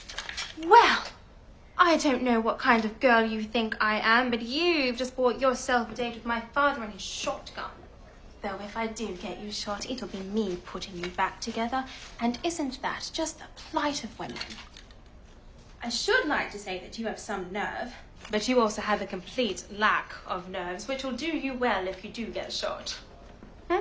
うん？